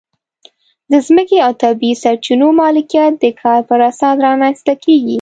د ځمکې او طبیعي سرچینو مالکیت د کار پر اساس رامنځته کېږي.